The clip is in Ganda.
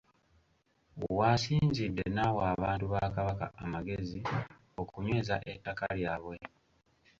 W’asinzidde n’awa abantu ba Kabaka amagezi okunyweza ettaka lyabwe.